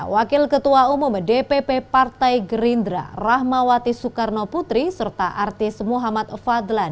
wakil ketua umum dpp partai gerindra rahmawati soekarno putri serta artis muhammad fadlan